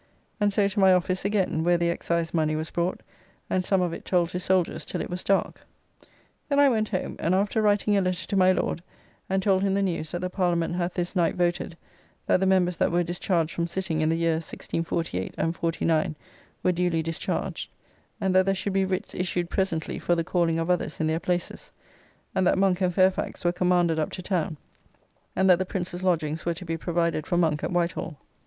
And so to my office again; where the Excise money was brought, and some of it told to soldiers till it was dark. Then I went home, and after writing a letter to my Lord and told him the news that the Parliament hath this night voted that the members that were discharged from sitting in the years 1648 and 49, were duly discharged; and that there should be writs issued presently for the calling of others in their places, and that Monk and Fairfax were commanded up to town, and that the Prince's lodgings were to be provided for Monk at Whitehall.